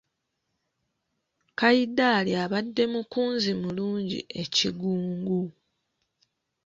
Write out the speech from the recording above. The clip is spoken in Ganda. Kayidali abadde mukunzi mulungi e Kigungu.